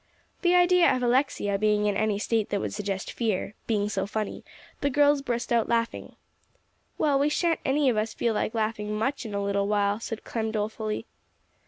The idea of Alexia being in any state that would suggest fear, being so funny, the girls burst out laughing. "Well, we sha'n't any of us feel like laughing much in a little while," said Clem dolefully.